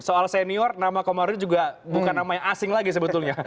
soal senior nama komarudin juga bukan nama yang asing lagi sebetulnya